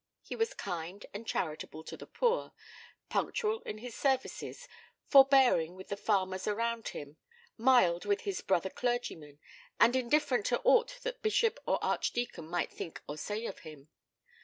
He was kind and charitable to the poor, punctual in his services, forbearing with the farmers around him, mild with his brother clergymen, and indifferent to aught that bishop or archdeacon might think or say of him.